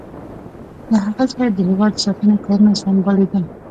له هغه ځایه د هېواد د ساتنې کارونه سمبالیدل.